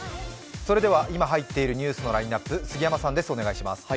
それでは今入っているニュースのラインナップ杉山さんです、お願いします。